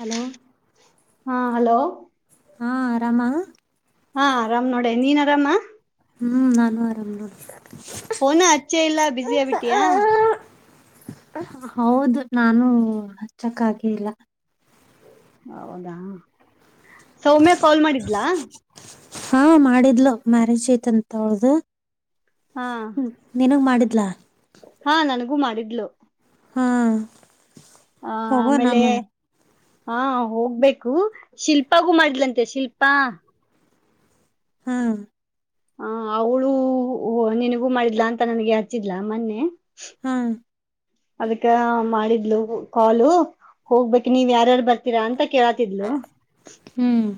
Hello ಹಾ hello ಹಾ ರರಾಮ ಹಾ ಆರಾಮ್ ನೋಡ ನೀನ್ ಆರಾಮ ಹ್ಮ್ ನಾನು ಆರಾಮ್ ನೋಡ್ತನೆ ಫೋನು ಹಚ್ಚ ಇಲ್ಲ ಬಸಿ ಆಬಿಟ್ಟಿಯಾ ಹೌದು ನಾನು ಹಚ್ಚಕ್ಕೆ ಇಲ್ಲ ಹೌದಾ ಸೌಮ್ಯ ಕಾಲ್ ಮಾಡಿದ್ಲಾ ಹಾ ಮಾಡಿದ್ಲು ಮ್ಯಾರೇಜ್ ಐತಂತ ಹೊಳ್ದ ಹಾ ಹ್ಮ ನಿನಗ್ ಮಾಡಿದ ಇ ಹಾ ಹೋಗೋ ಆಮೇಲೆ ನಮ್ಮ ಹಾ ಹೋಗ್ಬೇಕು ಶಿಲ್ಪಾಗೂ ಮಾಡ್ಲಂತೆ ಶಿಲ್ಪಾ ಹ್ಮ್ ಹ ಅವಳೂ ನಿನಗೂ ಮಾಡಿದ್ಲಾ ಅಂತ ನನ್ಗೆ ಹಚ್ಚಿದಿಲ್ಲ ಮೊನ್ನೆ ಹಾ ಅದಕ್ಕ ಮಾಡಿದ್ದ ಕಾಲು ಹೋಗ್ಬೇಕ ನೀವ್ ಯಾರ್ಯಾರು ಬರ್ತೀರಾ ಅಂತ ಕೇಳತಿದ್ಲು ಹ್ಮ್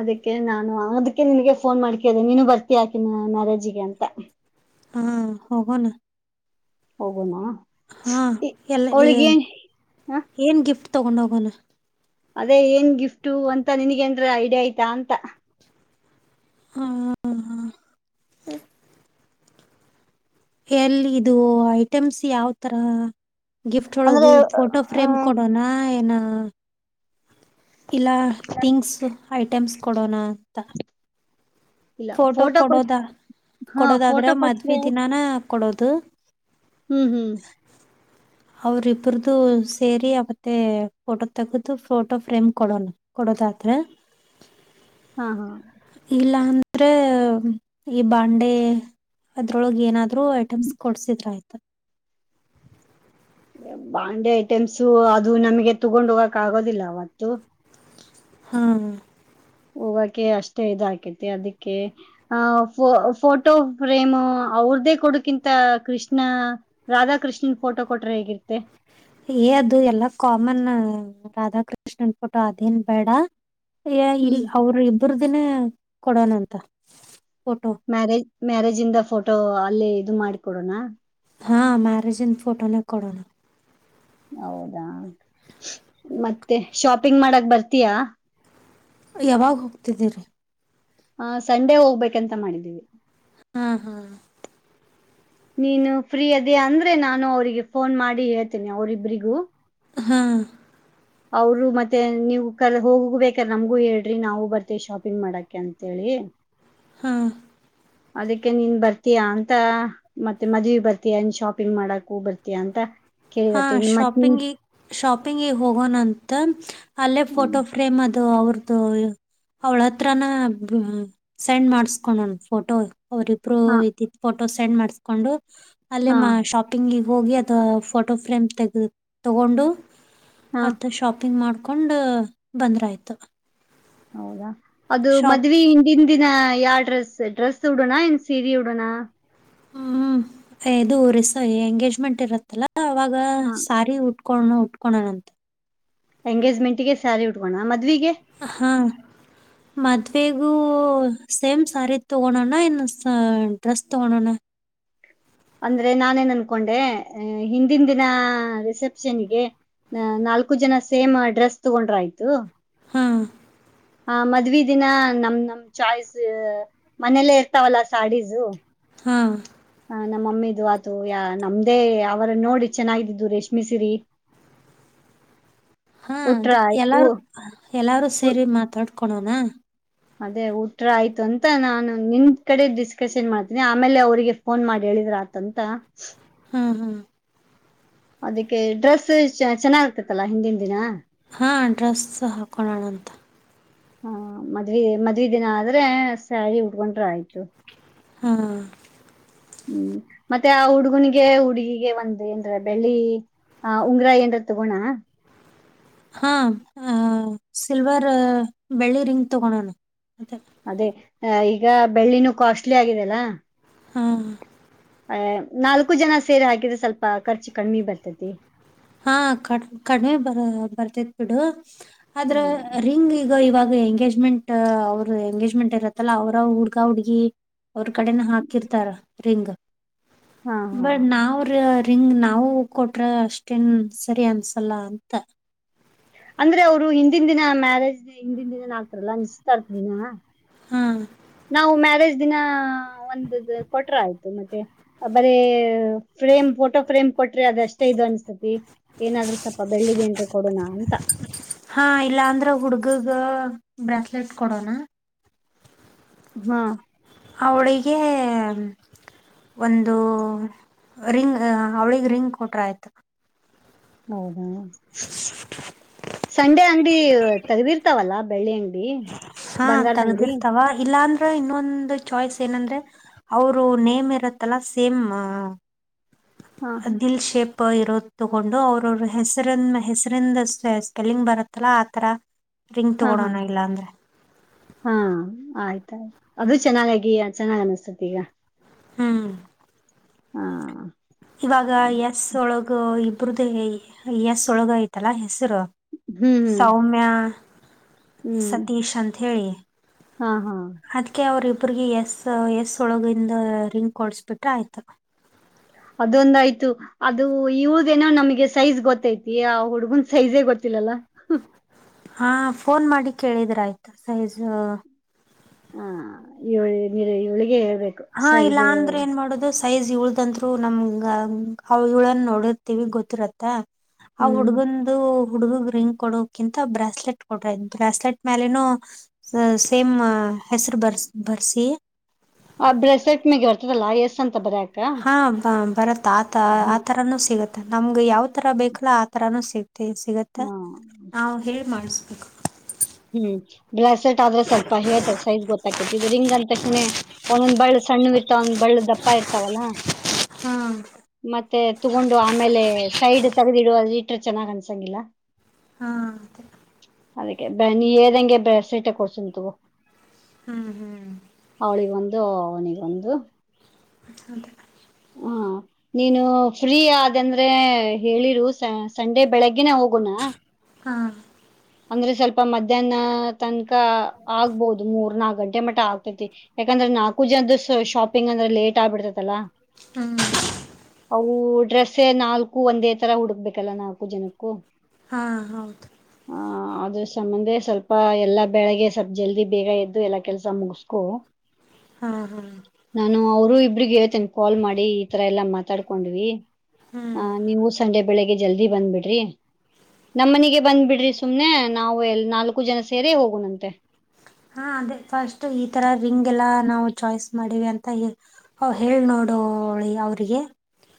ಅದಕ್ಕೆ ನಾನು ಅದಕ್ಕೆ ನಿನಗೆ ಫೋನ್ ಮಾಡ್ಕನೆ ನೀನು ಬರ್ತಿ ಹಾಕ ಮ್ಯಾರೇಜಿಗೆ ಅಂತ ಹಾ ಹೋಗೋಣ ಹೋಗೋಣ ಹಾ ಎಲ್ಲ ಏ ಅವಳಿಗೆ ಹ ಏನ್ ಗಿಫ್ಟ್ ತಗೊಂಡ ಹೋಗೋಣ ಅದೇ ಏನ್ ಗಿಫ್ಟು ಅಂತ ನನ್ಗ ನ್್ರ ಐಡಿಯಾ ಆಯ್ತಾ ಅಂತ ಹಾ ಹಾ ಎಲ್ಲಿ ಇದು ಐಟಮ್ಸ್ ಯಾವತರ ಗಿಫ್ಟ್ ಅಂದ್ರೆ ಒಳಗ ಫೋಟೋ ಆ ಫ್ರೇಮ್ ಕೊಡೋಣ ಏನ ಇಲ್ಲ ಥಿಂಗ್ಸ್ ಐಟಮ್ಸ್ ಕೊಡೋಣ ಅಂತ ಇಲ್ಲ ಫೋಟೋ ಕೊಟ್ ಕೊಡೋದ ಹಾ ಕೊಡೋದಾದ್ರೆ ಫೋಟೋ ಮದ್ವೀ ಕೊಟ್ರೆ ದಿನಾನೇ ಕೊಡೋದು, ಹ್ಮ್ ಹ್ಮ್ ಅವ್ರಿಬ್ರದು ಸೇರಿ ಮತ್ತೆ ಫೋಟೋ ತೆಗೆದು ಫೋಟೋ ಫ್ರೇಮ್ ಕೊಡೋಣ ಕೊಡ ದಾಕುವೆನ್ ಹಾ ಹಾ ತ್ರೆ ಈ ಬಾಂಡೆ ಅದ್ರೊಳಗ್ ಏನಾದ್ರು ಐಟಮ್ಸ್ ಕೊಡ್ಸಿದ್ರೆ ಆಯ್ತಾ. [inaudible] ಬಾಂಡೆ ಐಟೆಮ್ಸು ಅದು ನಮಗೆ ತಗೊಂಡ್ ಹೋಗಕ ಆಗೋದಿಲ್ಲ ಅವತ್ತು. ಹಾ ಹೋಗಕೆ ಅಷ್ಟೇ ಇದಾಕೈತಿ ಅದಕ್ಕೆ ಆ ಫೋಟೋ ಫ್ರೇಮ್. ಅವ್ರ್ದೇ ಕೊಡುಕಿಂತ ಕೃಷ್ಣ ರಾಧಾಕೃಷ್ಣನ್ ಫೋಟೋ ಕೊಟ್ರೆ ಹೇಗಿರ್ತೆ. ಏ ಅದು ಎಲ್ಲಾ ಕಾಮನ್ ರಾಧಾಕೃಷ್ಣನ್ ಫೋಟೋ ಅದೇನ್ ಬೇಡ. ಎ ಹ್ಮ್ ಇಡಿಇಲ್ ಅವ್ರ ಇಬರ್ದಿನ ಕೊಡೋಣಂತ ಫೋಟೋ ಮ್ಯಾರೇಜ್ ಮ್ಯಾರೇಜ್ ಇಂದ ಫೋಟೋ ಅಲ್ಲೇ ಇದು ಮಾಡಿಕೊಡೋಣ. ಹಾ ಮ್ಯಾರೇಜ್ ಇನ್ ಫೋಟೋನ ಕೊಡೋಣ. ಹೌದಾ ಮತ್ತೆ ಶಾಪಿಂಗ್ ಮಾಡಕ್ ಬರ್ತೀಯಾ. ಯಾವಾಗ ಹೋಗ್ತಿದ್ದೀರಿ ಹ ಸಂಡೆ ಹೋಗ್ಬೇಕಂತ ಮಾಡಿದ್ದೀವಿ. ಹಾ ಹಾ ನೀನು ಫ್ರೀ ಅದೇ ಅಂದ್ರೆ ನಾನು ಅವ್ರಿಗೆ ಫೋನ್ ಮಾಡಿ ಹೇಳ್ತೇನಿ ಅವರಿಬ್ರಿಗೂ. ಹ್ಮ ಅವರು ಮತ್ತೆ ನೀವು ಕರೆದು ಹೋಗ ಬೇಕ್ರ ನಮ್ಗೂ ಹೇಳ್ರಿ ನಾವು ಬರ್ತೇವಿ ಶಾಪಿಂಗ್ ಮಾಡಕ ಅಂತೇಳಿ. ಹೇಳಿ ಹ್ಮ್ ಅದಕ್ಕೆ ನೀನ್ ಬರ್ತೀಯಾ ಅಂತ ಮತ್ತೆ ಮದ್ವಿ ಬರ್ತಯಾ ನೀನ್ ಶಾಪಿಂಗ್ ಮಾಡಕೂ ಬರ್ತಯಾ ಅಂತ. ಹಾ ಕೇಳಿದತ್ತೆ ಇನ್ ಮತ್ತೆ ಶಾಪಿಂಗಿ ಶಾಪಿಂಗಿಗೆ ಹೋಗೋಣಂತ ಅಲ್ಲೇ ಫೋಟೋ ಫ್ರೇಮ್ ಅದ ದು ಅವ್ರದುು ಅವ್ಳ ಹತ್ರನ ಸೆಂಡ್ ಮಾಡಸ್ಕೊಂಡನ್ ಫೋಟೋ. ಅವರಿಬ್ರು ಹಾ ಇದಿದ್ದು ಫೋಟೋ ಸೆಂಡ್ ಮಾಡಸ್ಕೊಂಡು ಅಲ್ಲಿ ಹಾ ಶಾಪಿಂಗಿಗೆ ಹೋಗಿ ಅದು ಫೋಟೋ ಫ್ರೇಮ್ ತೆಗ ತಗೊಂಡು ಹಾ ಅಥ ಶಾಪಿಂಗ್ ಮಾಡ್ ಕೊಂಡ್ ಬಂದ್ರು ಆಯ್ತು. ಹೌದಾ ಅದು ಮದ್ವಿ ಹಿಂದಿನ ದಿನ ಯಾವ ಡ್ರೆಸ್ ಡ್ರೆಸ್ ಉಡೋಣ ಇನ್ ಸೀರಿ ಉಡೋಣ. ಹ್ಮ್ ಇದು ರಿಸ ಎಂಗೇಜ್ಮೆಂಟ್ ಇರತ್ತಲ್ಲ ಅವಾಗ ಹಾ ಸಾರಿ ಉಟ್. ಕಣೋ ಉಟ್ಕೋಣ ನಂತ. ಎಂಗೇಜ್ಮೆಂಟ್ ಗೆ ಸ್ಯಾರಿ ಉಟ್ಕೋಣ ಮ ಹ ಹಾ ಮದ್ವವೆ. ಹೂ ಓ, ಸೇಮ್ ಸ್ಯಾರಿ ತಗೋಣಣ ಇನ್ನು ಡ್ರೆಸ್ ತಗೋಣಣ್ಣ. ಅಂದ್ರೆ ನಾನೇನ್ ಅನ್ಕೊಂಡೆ ಹಿಂದಿಂದಿನ ರಿಸೆಪ್ಷನ್ಗೆ. ನಾಲ್ಕು ಜನ ಸೇಮ್ ಡ್ರೆಸ್ ತಗೊಂಡ್ರ್ ಆಯ್ತು. ಹಾ ಹ ಮದ್ವಿ ದಿನ ನಮ್ ನಮ್ ಚಾಯ್ಸ್ ಮನೇಲ್ಲೇ ಇರ್ತಾವಲ್ಲ ಸಾಡೀಸು. ಹಾ ನಮ್ಮಮ್ಮಿದು ಆತು ಯ ನಮ್ದೇ ಅವರ ನೋಡಿ ಚೆನ್ನಾಗಿದ್ದಿದ್ದು ರೇಷ್ಮ ಸಿರಿ. [inaudible] ಹಾ ಅದೇ ಎಲ್ಲಾರು ಎಲ್ಲಾರೂ ಉ- ಸೇರಿ ಮಾತಾಡ್ಕಳೋಣ. ಅದೇ ಊಟ್ರ ಆಯ್ತು ಅಂತ ನಾನು ನಿನ್ ಕಡೆ ಡಿಸ್ಕಷನ್ ಮಾಡ್ತೀನಿ ಆಮೇಲೆ ಅವರಿಗೆ ಫೋನ್ ಮಾಡ ಹೇಳಿ. ಇದರ್ ಆತಂತ, ಹ್ಮು ಹ್ಮೂ ಅದಕ್ಕೆ ಡ್ರೆಸ್ ಚೆನ್ನಾಗ ಆಗ್ತತ್ತಲ್ಲಾ ಹಿಂದಿನ ದಿನ. ಹಾ ಅಡ್ರೆಸ್ ಸಹ ಕಣ ಆಾಣಂತ. ಹಾ ಮದ್ ಮದ್ೆ ದಿನ ಆದ್ರೆ ಸ್ಯಾರಿ ಉಡ್ಕೊಂಡ್ರ ಆಯ್ತು. ಹಾ. ಹ್ಮ್ ಮತ್ತೆ ಆ ಹುಡುಗುನಿಗೆ ಹುಡುಗಿಗೆ ಒಂದ ಏನ್ರ ಬೆಳ್ಳಿ. ಹ ಉಂಗ್ರಾಯ್ನ್ ತಗೋಣಾ. ಹಾ ಸಿಲ್ವರ್ ಬೆಳ್ಳಿ ರರಿಂಗ್ ತಗೋೊಂಡೋಣ. ಅದೇ ಈಗ ಬೆಳ್ಳಿನೂ ಕಾಸ್ಟ್ಲಿ ಆಗಿದೆಲ್ಲ. ಹಾ. ಅಹ ನಾಲ್ಕು ಜನ ಸೇರಿ ಹಾಕಿದ್ರೆ ಸ್ವಲ್ಪ ಖರ್ಚು ಕಡಿಿ ಬರ್ತತಿ. ಹಾ ಕ ಕಡಿಮೆ ಬ ಬರ್ತೇತ್ ಬಿಡು ಆದದ್ರ ಹ ರಿಂಗ್ ಈಗ ಇವಾಗ. ಎಂಗೇಜ್ಮೆಂಟ್ ಅವ್ರ ಎಂಗೇಜ್ಮೆಂಟ್ ಇರತ್ತಲ್ಲಾ ಅವ್ರ ಹುಡ್ಗ ಹುಡ್ಗಿ. ಅವ್ರ ಕಡೆನ ಹಾಕಿರ್ತಾರ ರಿಂಗ್. ಹಾ ಹಾ ಬಟ್ ನಾವ್ರ ರಿಂಗ್ ನಾವವು ಕೊಟ್ರ ಅಷ್ಟ. ಸರಿ ಅನ್ಸಲ್ಲ ಅಂತ. ಅಂದ್ರೆ ಅವ್ರು ಹಿಂದಿನ ದಿನಾ ಮ್ಯಾರೇಜ್ ಹಿಂದಿನ ದಿನನ ಆಗ್ತಾರಲ್ಲಾ ನಿಶ್ಿತ ಇರ್ತ ದಿನಾ. ಹಾಂ. ನಾವು ಮ್ಯಾರೇಜ್ ದಿನ ಒಂದು ಕೊಟ್ರ ಆಯ್ತು ಮತ್ತೆ ಬರೇ. ಫ್ರೇಮ್ ಫೋಟೋ ಫ್ರೇಮ್ ಕೊಟ್ರೆ ಅದ ಅಷ್ಟೇ ಇದು ಅನ್ಸ್ತತಿ ಏನಾದ್ರು ಸ್ವಲ್ಪ ಬೆಳ್ಳಿದೇನ್ಿ ಕೊಡೋಣ ಅಂತ. ಹಾ ಇಲ್ಲ ಅಂದ್ರೆ ಹುಡ್ಗಗ ಬ್ರೇಸ್ಲೆಟ್ ಕೊಡೋಣ. ಹಾ. ಅವಳಿಗೆ. ಒಂದು ರಿಂಗ್ ಅವಳಗ್ ರಿಂಗ್ ಕೊಟ್ರ ಆಯ್ತು. ಹೌದಾ ಸಂಡೆ ಅಂಗಡಿ ತೆಗ್ದಿರ್ತಾವಲ್ಲಾ ಬೆಳ್ಳಿ ಅಂಗಡಿ. ಹಾ ಬಂಗಾರದ ಅಂಗಡಿ ತಗ್ದಿಿಸ್ತಾವ ಇಲ್ಲ ಅಂದ. ಇನ್ನೊಂದು ಚಾಯ್ಸ್ ಏನಂದ್ರೆ ಅವರು ನೇಮ್ ಇರುತ್ತಲ್ಲಾ ಸೇಮ್. ಹಾ ಆದದಿಲ್ ಶೇಪ್. ಇರೋ ತಗೊಂಡು ಅವ್ರ ಹೆಸರಿ ಹೆಸರಿಂದ ಸ್ಪೆಲ್ಲಿಂಗ್ ಬರುತ್ತಲ್ಲಾ ಆತರ. ರಿಂಗ್ ಹಾ ಹಾ ತಗೊಳೋಣ ಇಲ್ಲಾಂದ್ರೆ ಹಾ ಆಯ್ತು. ಅದು ಚೆನ್ನಾಗಾಗಿ ಚೆನ್ನಾಗ್ ಅನಸ್ತತಿ ಈಗ. ಹ್ಮ್. ಹಾ. ಇವಾಗ ಅದೇ ಎಸ್ ಒಳಗ ಇಬ್ರ್ದೇ ಎಸ್ ಒಳಗ ಐ್ತಲ್ಲಾ. ಹೆಸರು ಹ್ಮ್ ಸೌಮ್ಯ ಹ್ಮ್ ಹ್ಮ್ ಸತೀಶ್ ಅಂತ ಹೇಳಿ. ಹಾ ಹಾ ಅದಕ್ಕೆ ಅವ್ರ ಇ. ಬ್ರಿಗೆ ಎಸ್ ಎಸ್ ಒಳಗಿಂದ ರಿಂಗ್ ಕೊಡಿಸ್ಬಿಟ್ರೆ ಆಯ್ತು. ಅದೊಂದಯ್ತು ಅದು ಇವಳದೇನೋ ನಮ್ಗೆ ಸೈಜ್ ಗೊತ್ತೈತಿ ಆ ಹುಡುಗನ್ ಸೈಜೇ ಗೊತ್ತತಿ. ಲ್ಲ. ಹಾ ಫೋನ್ ಮಾಡಿ ಕೇಳಿದ್ರ ಆಯ್ತಾ ಸೈಜ್. ಹಾ ಈಳಿ ನೀ ಈ ಹಳಿಗೆ. ಹಾ ಇಲ್ಲ ಅಂದ್ರೆ ಏನ್ ಮಾಡುದು. ಸೈಜ್ ಇಳ್ದಂದರು ನಮ್ಗೆ ಇಳನ್ ನೋಡಿರ್ತಿೀವಿ ಗೊತ್ತಿರತ್ತ. ಆ ಹ್ಮ್ ಹುಡ್ಗಂದು. ಹುಡ್ಗಗ್ ರಿಂಗ್ ಕೊಡೋಕಿಂತ ಬ್ರಾಸ್ಲೆಟ್ ಕೊಡ್ರ ಬ್ರೆಸ್ಲೆಟ್ ಮೇಲೆನುೂ. ಸೇಮ್ ಹೆಸರು ಬರ್ಸ ಬರ್ಸಿ. ಆ ಬ್ರೆಸೆಟ್ ಮ ಬರ್ತದಲ್ಲಾ ಎಸ್ ಅಂತ. ಬರಯಕ ಹಾ ಬ ಬರತ್ತ ಆತ ಹ್ಮ್ ಆತರಾನೂ ಸಿಗತ್ೆ. ನಮ್ಗೆ ಯಾವ್ ತರ ಬೇಕಲ ಆ ತರಾನು ಸಿಗ್ತಿ ಸಿಗತ್ತಾ ಹಾ ನಾ್ ಹ ಮಾಡ. ಹ. ಹ್ಮ್. ಬ್ಲಾಸ್ಟ್ ಆದ್ರೆ ಸ್ವಲ್ಪ ಹೇಳ್ತಾರೆ ಸೈಜ ಗೊತ್ತಾಕೈತಿ ಇದು ರಿಂಗ್ ಅ ತಕ್ಷಣ ಒಂದೊಂದ ಬಳ್ಳ ಸಣ್ಣ ಇರ್ತ ಒಂದ್ ಬ [unintelligible] ಒಳ್ಳ ದಪ್ಪ ಇರ್ತಾವಲ್ಲ [unintelligible] ಹಾ ಮತ್ತೆ ತಗೊಂಡು ಆಮೇಲೆ ಸೈಡ್ ತಗದಿಡು ಅದ ಇಟ್ರ ಚೆನ್ನಾಗ್ ಅನ್ಸಂಗಿಲ್ಲ [unintelligible] ಹಾ [unintelligible] ಅದಕ್ಕೆ ನೀ ಎಳ್ದಂಗೆ ಬಸೈಟ ಕೊಡ್ಸಂತ [unintelligible] ಹ್ಮ್ ಹ್ಮ್ [unintelligible] ಲೋ ನೀಗೊಂದು [unintelligible] ಅಂತ [unintelligible] ಹಾ [unintelligible] ನೀನು ಫ್ರೀ ಅಂದ್ರೆ ಹೇಳಿರು ಸ ಸಂಡೆ ಬೆಳಗ್ಗನೆೇ ಹೋಗೋಣ [unintelligible] ಹಾ. ಅಂದ್ರೆ ಸ್ವಲ್ಪ ಮಧ್ಯಾಹ್ನ ತನಕ ಆಗ್ಬಹುದು ಮೂರ್ ನಾಲ್ ಗಂಟೆ ಮ [unintelligible] ಆಗ್ತೈತಿ ಯಾಕಂದ್ರೆ ನಾಲ್ಕು ಜನ ಅ ಶಾಪಿಂಗ್ ಅಂದ್ರೆ ಲೇಟ್ ಆಬಡ್ತೈತಿ. [unintelligible] ದಲ್ಲ ಹ್ಮ್ [unintelligible] ಅವು ಡ್ರೆಸ್ಸ ನಾಲ್ಕು ಒಂದೇ ತರ ಹುಡುಕ್ಬೇಕಲ್ಲ ನಾಲ್ಕು ಜನಕ್ಕೂ [unintelligible] ಹಾ ಹೌದು [unintelligible] ಆಹ ಅದ್ರ ಸಂಬಂಧ ಸ್ವಲ್ಪ ಎಲ್ಲಾ ಬೆಳೆಗೆ ಸ್ವಲ್ಪ ಜಲ್ದಿ ಬೇಗ ಎದ್ದು ಎಲ್ಲಾ ಕೆಲ್ಸ ಮುಗಸ್ಕು ಹಾ ಹಾ [unintelligible] ನಾನು ಅವರು [unintelligible] ಇಗೆ ಹೇಳ್ತನಿ ಕಾಲ್ ಮಾಡಿ ಈ ತರ ಎಲ್ಲಾ ಮಾತಾಡ್ಕೊಂಡ್ವಿ ಆ ಹ್ಮ್ ನೀವು ಸಂಡೆ ಬೆಳಿಗ್ಗೆ [unintelligible] ಜಲ್ದಿ ಬಂದ್ಬಿಡ್ರಿ ನಮ್ಮನಿಗೆ ಬಂದ್ ಬಿಡ್ರಿ [unintelligible] ಸುಮ್ನೆ ನಾವು ಎಲ್ ನಾಲ್ಕು ಜನ ಸೇರೆ ಹೋಗುಣಂತೆ [unintelligible] ಹಾ ಅದೇ ಫಸ್ಟ್ ಈ ತರ ಇಂಗ್ ಎಲ್ಲಾ ನಾವು ಚಾಯ್ಸ್ ಮಾಡಿವಿ ಅಂತ ಹೇಳ ನೋಡ [unintelligible] ಡೋಳಿ ಅವರಿಗೆ [unintelligible]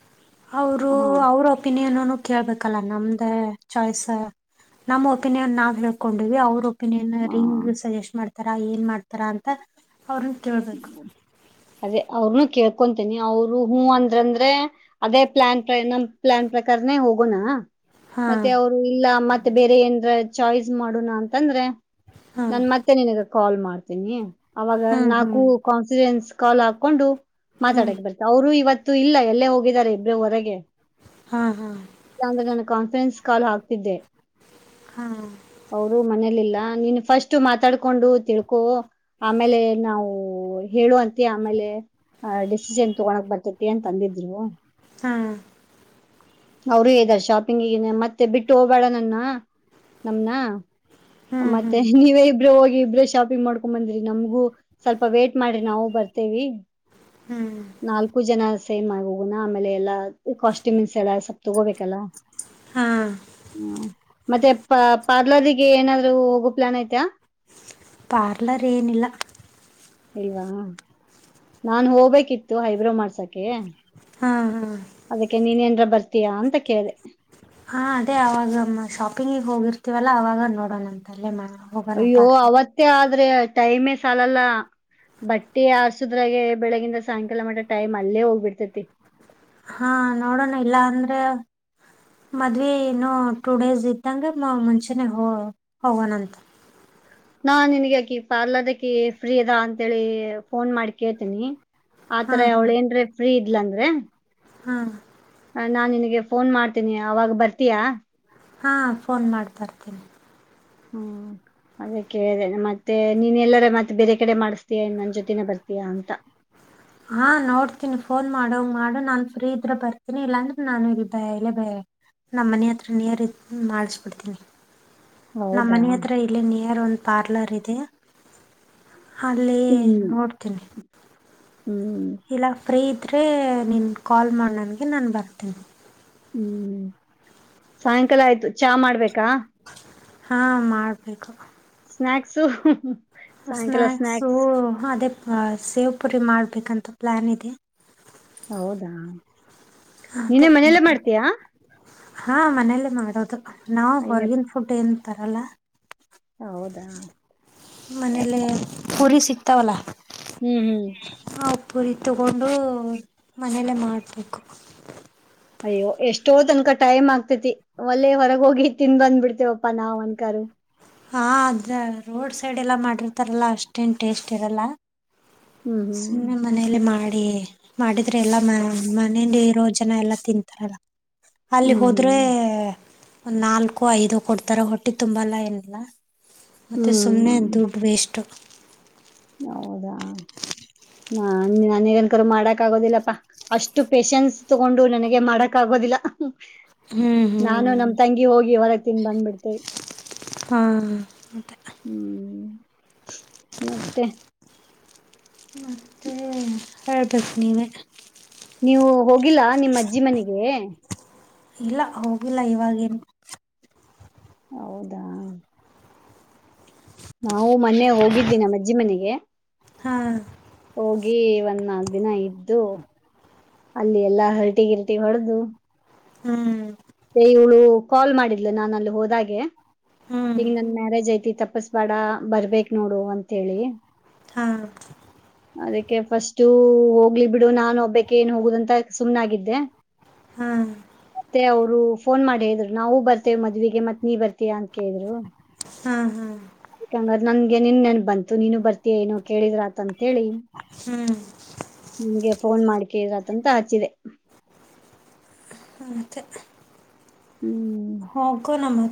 ಅವರು ಹಾ ಅವ್ರ ಒಪಿನಿಯನ್ನು ಕೇಳ್ಬಕು [unintelligible] ಲ್ಲ ನಮ್ದ ಚಾಯ್ಸ್ ನಮ ಒಪಿನಿಯನ್ ನಾವ್ ಹೇಳ್ಕೊಂಡಿವವಿ ಅವರು [unintelligible] ನ್ನೇ ಆ ರಿಂಗ್ ಸಜೆಸ್ಟ್ ಮಾಡ್ತಾರ ಏನ್ ಮಾಡ್ತಾರಾ ಅಂತ ಅವ್ರನ್ನ ಕೇಳ್ಬೇಕು [unintelligible] ಅದೇ ಅವ್ರನು ಕೇಳ್ಕೊಂತೀನಿ ಅವ್ರು ಹ್ಞೂ ಅಂದ್ರ ಅಂದ್ರೆ ಅದೇ ಪ್ಲಾನ್ ಪ್ರ ನಮ್ ಪ್ಲಾನ್ ಪ್ರಕಾರ [unintelligible] ಹೋಗೋಣ ಹಾ [unintelligible] ಮತ್ತೆ ಅವರು ಇಲ್ಲ ಮತ್ತೆ ಬೇರೆ ಏಂದ್ರ ಚಾಯ್ಸ್ ಮಾಡುಣ ಅಂತಂದ್ರೆ [unintelligible] ಹಾ ನನ್ ಮತ್ತೆ ನಿನ್ಗ ಕಾಲ್ ಮಾಡ್ತೀನಿ ಅವಾಗ ಹ್ಮ್ ನಾಕು ಹ್ಮ್ ಕಾನ್ಸಿಡೆನ್ಸ್ [unintelligible] ಕಾಲ್ ಹಾಕೊಂಡು ಹ್ಮ್ ಮಾತಾಡಕ್ಕೆ ಬರ್ತಾರೆ ಅವರು ಇವತ್ತು ಇಲ್ಲ ಎಲ್ಲೇ ಹೋಗಿದ್ದಾರೆ ಇಬ್ರ ಹೊರಗೆ [unintelligible] ಹಾ ಹಾ [unintelligible] ಚಂದ ಜನ ಕಾನ್ಫರೆನ್ಸ್ ಕಾಲ್ ಹಾಕ [unintelligible] ಇದ್ದೆ ಹಾ [unintelligible] ಅವರು ಮನೇೆಯಲ್ಲಿಲ್ಲ [unintelligible] ನೀನ್ ಫಸ್ಟ್ ಮಾತಾಡ್ಕೊಂಡು ತಿಳ್ಕೋ ಆಮೇಲೆ ನಾವು [unintelligible] ಹೇಳುವಂತಿ ಆಮೇಲೆ ಡಿಸಿಷನ್ ತಗೋಳಕ್ ಬರ್ತತಿ ಅಂತ ಅಂದಿದ್ರು [unintelligible] ಹಾ [unintelligible] ಅವರು ಇದ್ದಾರೆ ಶಾಪಿಂಗೆ ಮತ್ತೆ ಬಿಟ್ಟು ಹೋಗಬೇಡ ನನ್ನ ನಮನ [unintelligible] ಹ್ಮ್ ಮತ್ತೆ ಹ್ಮ್ ನೀವೇ [unintelligible] ಇಬ್ರ ಹೋಗಿ ಇಬ್ರ ಶಾಪಿಂಗ್ ಮಾಡ್ಕೊ ಬಂದ್ರಿ ನಮ್ಗೂ ಸ್ವಲ್ಪ ವೇಟ್ ಮಾಡ್ರಿ ನಾವು ಬರ್ತೇವಿ [unintelligible] ಹ್ಮ್ ನಾಲ್ಕು ಜನ ಸೇಮ್ ಆಗೋಗಣ ಆಮೇಲೆ ಎಲ್ಲಾ [unintelligible] ಕಾಸ್ಟ್ಯೂಮ್ ಇನ್ಸ್ ಎಲ್ಲ ಸೊಪ್ಪ ತಗೋಬೇಕಲ್ಲ ಹಾ ಹ್ಮ [unintelligible] ಮತ್ತೆ ಪ ಪಾರ್ಲರ್ಗೆ ಏನಾದ್ರು ಹೋಗೋ ಪ್ಲಾನ್ ಐತ [unintelligible] ಪಾರ್ಲರ್ ಏನಿಲ್ಲ [unintelligible] ಇಲ್ವಾ ನಾನ್ ಹೋಗ್ಬೇಕಿತ್ತು ಐಬ್ರೋ ಮಾಡ್ಸಕೆ [unintelligible] ಹಾ ಹಾ ಅದಕ್ಕೆ ನೀನ್ನ ಬರ್ತೀಯಾ ಅಂತ ಕೇಳ್ದೇ [unintelligible] ಹಾ ಅದೇ ಅವಾಗಮ್ಮ ಶಾಪಿಂಗಗ್ ಹೋಗಿರ್ತೀವಲ್ಲ ಅವಾಗ ನೋಡೋಣ ಅಂತ ಅಲ್ಲೇ ಮಾಡ [unintelligible] ಅಯ್ಯೋ ಅವತ್ತೇ ಆದ್ರೆ ಟೈಮೇ ಸಾಲಲ್ಲ [unintelligible] ಬಟ್ಟೆ ಆರ್ಸುದ್ರಾಗೆ ಬೆಳಗಿಂದ ಸಾಯಂಕಾಲ ಮಟ ಟೈಮ್ ಅಲ್ಲೇ ಹೋಗ್ಬಿಡ್ತೇತಿ [unintelligible] ಹಾ ನೋಡೋಣ ಇಲ್ಲಾ ಅಂದ್ರೆ [unintelligible] ಮದ್ವೆ ಇನ್ನೂ ಟೂ ಡೇಸ್ ಇದ್ದಂಗೆ ಮುಂಚೆನೇ ಹ ಹೋಗೋಣಂತ [unintelligible] ನಾ ನಿನ್ಗಕಿ ಪಾರ್ಲರ್ ಅಕಿ ಫ್ರೀ ಅದಾ ಅಂತೇಳಿ ಫೋನ್ ಮಾಡಿ ಕೇಳ್ತೀನಿ [unintelligible] ಆತರ ಹಾಂ ಅವಳೇಏನ್ರಾ ಫ್ರೀ ಇದ್ಲ ಅಂದ್ರೆ. [unintelligible] ಹ್ಮ್ [unintelligible] ನಾನ್ ನಿನಗೆ ಫೋನ್ ಮಾಡ್ತೀನಿ ಅವಾಗ ಬರ್ತೀಯಾ [unintelligible] ಹಾ ಫೋನ್ ಮಾಡ್ತಾರ್ತೀನಿ ಹ್ಮ್ ಅದಕ್ಕೆೇಳ ಮತ್ತೆ ನೀನ್ ಎಲ್ಲರ ಮತ್ತೆ ಬೇರೆ ಕಡೆ ಮಾಡಿಸಸ್ತೀಯ ನನ್ ಜೊತನೆೇ ಬರ್ತೀ ಯ ಅಂತ [unintelligible] ಹಾ ನೋಡ್ತೀನಿ ಫೋನ್ ಮಾಡು ಮಾಡು ನಾನ್ ಫ್ರೀ ಇದ್ರ ಬರ್ತೀನಿ ಇಲ್ಲಾಂದ್ರೆ ನಾನು ಬ ಇಲ್ಲ ಬ. ನಮ್ಮ ಮನೆ ಹತ್ರನೇ ಮಾಡಿಸಬಿಡ್ತೀನಿ ನಮ್ಮ ಹೌದಾ ಮನೆ ಹತ್ರ ಇಲ್ಲಿ ನಿಯರ್ ಒಂದು ಪಾರ್ಲರ್ ಇದೆ ಅಲ್ಲಿ ಹ್ಮ್ ನೋಡ್ತೀನಿ [unintelligible] ಹ್ಮ್ ಇಲ್ಲ ಫ್ರೀ ಇದ್ದ್ರರೆ ನಿನು ಕಾಲ್ ಮಾಡ ನನಗೆ ನಾನ್ ಬರ್ತೀನಿ. ಹ್ಮ್ ಸಾಯಂಕಾಲ ಆಯ್ತು ಚಾ ಮಾಡ್ಬೇಕಾ. ಹಾ ಮಾಡ್ಬೇಕು. [unintelligible] ಸ್ನಾಕ್ಸು. [inaudible] ಸ್ನ್ಯಾಕ್ಸು ಅದೇ ಸೇವ್ ಪುರಿ ಮಾಡ್ಬೇಕಂತ ಪ್ಲಾನ್ ಇದೆ. ಹೌದಾ ನೀನೇ ಮನೆಯಲ್ಲ ಮಾಡ್ತೀಯಾ. ಹಾ ಮನೇಲಿ ಮಾಡೋದು ನಾವವು ಅಯ್ಯಪ್ಪ ಹೊರಗಿನ ಫುಡ್ ಏನ್ ತರಲ್ಲ. ಹೌದಾ. ಮನೇಲೆ ಯಪ್ಪ ಕುರಿ ಸಿಕ್ತಾವಲ್ಲ. ಹ್ಮ್ ಹ್ಮ್. ಆ ಪುರಿ ತಗೊಂಡು ಮನೆಯಲ್ಲೇ ಮಾಡಬೇಕು. ಅಯ್ಯೋ ಎಷ್ಟೋ ತನಕ ಟೈಮ್ ಆಗ್ತೇತಿ ಒಲ್ಲೆ ಹೊರಗೋಗಿ ತಿನ್ ಬಂದ್ಬ ಬಿಡ್ತೇವಪ್ಪಾ ನಾವ್ ಅನ್ಕಾರ. ಹಾ ಅದ ರೋಡ್ ಸೈಡ್ ಎಲ್ಲ ಮಾಡಿರ್ತಾರಲ್ಲ ಅಷ್ಟೇನ್ ಟೇಸ್ಟ್ ಇರಲ್ಲ. ಹ್ಮ್ ಸುಮ್ನೇ ಮನೇಲ್ಲ ಮಾಡ. ಮಾಡಿದ್ರೆ ಎಲ್ಲಾ ಮನೇಲಿ ರೋ ಜನ ಎಲ್ಲಾ ತಿಂತಾರೆಲ್ಲ. ಅಲ್ಲಿ ಹ್ಮ್ ಹೋದ್ರೆ ಹ್ಮ್ ಒಂದುನಾಲ್ಕು ಐದು ಕೊಡ್ತಾರ ಹೊಟ್ಟಿ ತುಂಬಲ್ಲ ಏನಿಲ್ಲ. ಮತ್ತೆ ಹ್ಮ್ ಸುಮ್ಮನೆ ಹ್ಮ್ ದುಡ್ ವೇಸ್ಟ್. ಹೌದಾ. ಹಾ ನಾನಗನ್ಕ ಮಾಡಕ್ ಆಗೋದಿಲ್ಲಪ್ಪಾ ಅಷ್ಟು ಪೇಶನ್ಸ್ ತಗೊಂಡು ನನಗೆ ಮಾಡಕ್ ಆಗ. ದಿಲ್ಲ ಹ್ಮ್ ನಾನು ನಮ ಹ್ಮ್ ತಂಗಿ ಹೋಗಿ ಹೊರಗೆ ತಿಿಂದ ಬಂದ್ಬಿಡ್ತೇವಿ. ಹಾ [unintelligible] ಹ್ಮ್ ಮತ್ತೆ. ಮತ್ತೆ ಹೇಳ್ಬೇಕು ನೀವೇ. ನೀವು ಹೋಗಿಲ್ಲಾ ನಿಮ್ಮ ಅಜ್ಜಿ ಮನೆಗೆ. ಇಲ್ಲ ಹೋಗಿಲ್ಲ ಇವಾಗೇನು. ಹೌದಾ. ನಾವು ಮೊನ್ನೆ ಹೋಗಿದ್ವಿ ನಮ್ಮ ಅಜ್ಜಿ ಮನೆಗೆ. ಹಾ ಹೋಗಿ ಒಂದ್ ನಾಲ್ಕ ದಿನ ಇದ್ದು ಅಲ್ಲಿ ಎಲ್ಲಾ ಹರಟಿ ಗಿರ್ಟಿ ಹೊಡೆದು. ಹ್ಮ್. ಮತ್ತೆ ಇವಳು ಕಾಲ್ ಮಾಡಿದ್ಲು ನಾನು ಅಲ್ಲಿ ಹೋದಾಗೆ ಹ್ಮ್ ಈಗ ನನ್ ಮ್ಯಾರೇಜ್ ಐತಿ ತಪಸ್ಬೇಡ ಬರ್ಬೇಕ ನೋಡು ಅಂತ ಹೇಳಿ. ಹಾ ಹ [inaudible] ಅದಕ್ಕೆ ಫಸ್ಟು ಹೋಗ್ಲಿ ಬಿಡು ನಾನು ಒಬ್ಬಕ್ಕೆ ಏನ್ ಹೋಗುದಂತ ಸುಮ್ನಾಗಿದ್ದೆ. ಹ್ಮ್. ಮತ್ತೆ ಅವ್ರು ಫೋನ್ ಮಾಡಿ ಹೇಳಿದ್ರು ನಾವವು ಬರ್ತೇವಿ ಮದ್ವಿಗೆ ಮತ್ ನೀ ಬರ್ತೀಯ ಅಂತ ಕೇಳಿದ್ರು. ಹ್ಮ್ ಹ್ಮ್. ಅಕಂಗ ನನ್ಗೆ ನಿನ್ ನನ್ ಬಂತು ನೀನು ಬರ್ತಯ ಏನೋ ಕೇಳಿದ್ರ ಆತ ಅಂತ ಹೇಳಿ. ಹ್ಮ್. ನಿನ್ಗೆ ಫೋನ್ ಮಾಡ್ ಕೇಳರತಂತ ಹಚ್ಚಿದೆ. ಹ್ಮ್. ಹೋಗ ನಮ್ಮ.